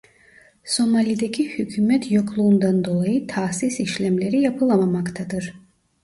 Somali'deki hükûmet yokluğundan dolayı tahsis işlemleri yapılamamaktadır.